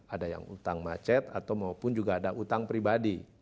ada yang utang macet atau maupun juga ada utang pribadi